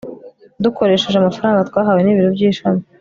dukoresheje amafaranga twahawe n ibiro by ishami